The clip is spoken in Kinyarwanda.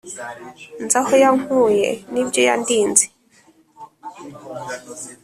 nzi aho yankuye n'ibyo yandinze